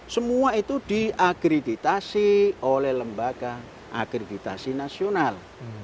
semua itu diagreditasi oleh lembaga agreditasi nasional